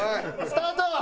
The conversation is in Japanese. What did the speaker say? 「スタート！」